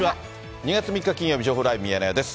２月３日金曜日、情報ライブミヤネ屋です。